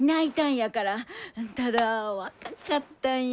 ただ若かったんよ